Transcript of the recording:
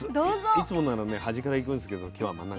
いつもならね端からいくんですけど今日は真ん中。